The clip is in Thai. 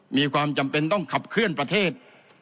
มีความจำเป็นต้องขับเคลื่อนประเทศ